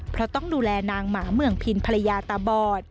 เพราะต้องดูแลนางหมาเมืองพินภรรยาตาบอด